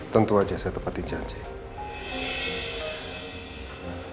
tentu aja saya tepatkan janjian